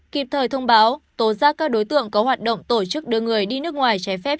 kịp thời thông báo tố giác các đối tượng có hoạt động tổ chức đưa người đi nước ngoài trái phép